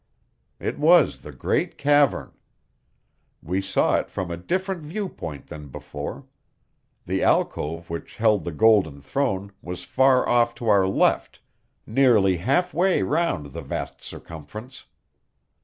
It was the great cavern. We saw it from a different viewpoint than before; the alcove which held the golden throne was far off to our left, nearly half way round the vast circumference.